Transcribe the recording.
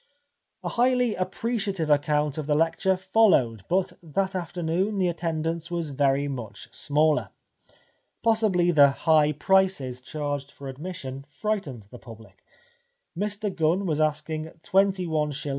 A highly appreciative account of the lecture followed, but that afternoon the attendance was very much smaller. Possibly the high prices charged for admission frightened the public. Mr Gunn was asking 21s.